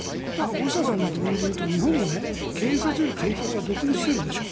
大下さんの疑問で言うと日本も警察より検察が独立しているでしょ。